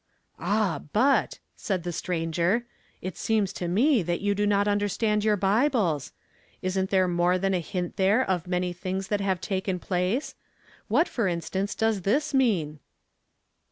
"Ah but," said the stranger, "it seems to me that you do not understand your Bibles. Isn't there more than a hint there of many things that have taken place? What, for instance, does this mean